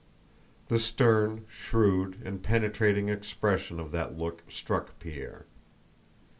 The stern, shrewd, and penetrating expression of that look struck Pierre.